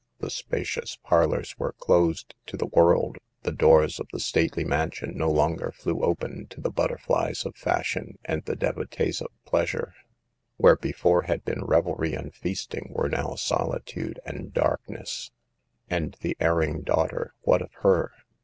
The spacious parlors were closed to the world ; the doors of the stately mansion no longer flew open to the butterflies of fashion and the devotees of pleasure; where before B i* 18 SAVE THE GIRLS. had been revelry and feasting were now soli tude and darkness. And the erring daughter, what of her?